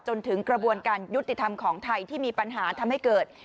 จนถึงกระบวนการยุติธรรมของไทยที่มีปัญหาทำให้เกิด